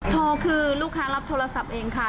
โทรคือลูกค้ารับโทรศัพท์เองค่ะ